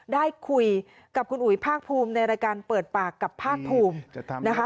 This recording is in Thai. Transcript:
ได้คุยกับคุณอุ๋ยภาคภูมิในรายการเปิดปากกับภาคภูมินะคะ